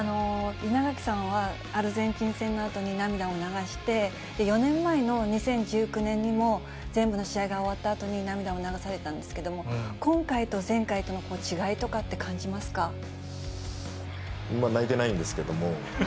稲垣さんは、アルゼンチン戦のあとに涙を流して、４年前の２０１９年にも、全部の試合が終わったあとに涙を流されたんですけれども、今回と前回との違いと泣いてないんですけども。